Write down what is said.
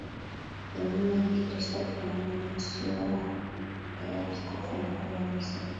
imani ya Kikristo Frumensyo akamwendea Askofu Mkuu wa Misri